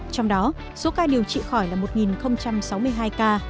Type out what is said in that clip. trong đó số ca điều trị khỏi là một sáu mươi hai ca